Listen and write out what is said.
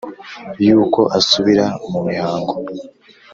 y’uko asubira mu mihango